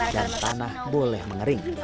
dan tanah boleh mengering